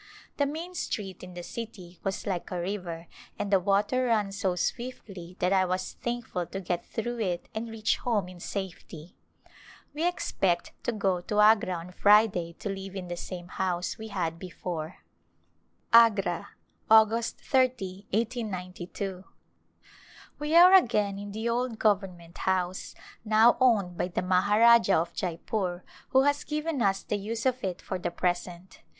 The main street in the city was like a river and the water ran so swiftly that I was thankful to get through it and reach home in safety. We expect to go to Agra on Friday to live in the same house we had be fore. Jgra, Aug. JO, i8p2. We are again in the old Government House, now owned by the Maharajah of Jeypore who has given us the use of it for the present.